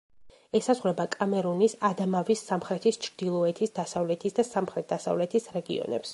ესაზღვრება კამერუნის ადამავის, სამხრეთის, ჩრდილოეთის, დასავლეთის და სამხრეთ-დასავლეთის რეგიონებს.